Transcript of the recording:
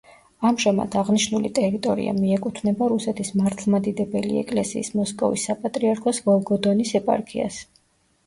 ამჟამად აღნიშნული ტერიტორია მიეკუთვნება რუსეთის მართლმადიდებელი ეკლესიის მოსკოვის საპატრიარქოს ვოლგოდონის ეპარქიას.